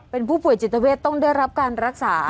เป็นผู้ป่วยจิตเวทต้องได้รับการรักษา